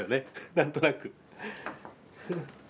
何となく。